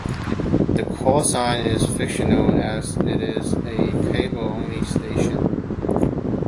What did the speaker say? The call sign is fictional as it is a cable-only station.